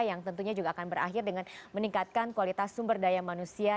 yang tentunya juga akan berakhir dengan meningkatkan kualitas sumber daya manusia